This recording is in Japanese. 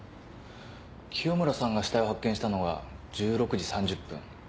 清村さんが死体を発見したのは１６時３０分。